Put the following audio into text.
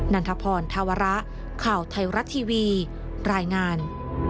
ันทพรธาวระข่าวไทยรัฐทีวีรายงาน